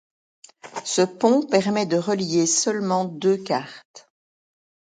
Ce pont permet de relier seulement deux cartes.